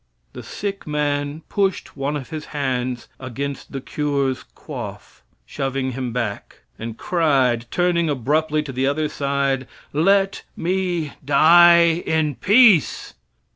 The sick man pushed one of his hands against the cure's coif, shoving him back, and cried, turning abruptly to the other side: "Let me die in peace."